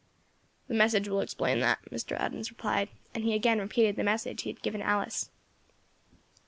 "The message will explain that," Mr. Adams replied, and he again repeated the message he had given Alice.